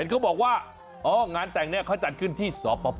เขาบอกว่าอ๋องานแต่งเนี่ยเขาจัดขึ้นที่สปลา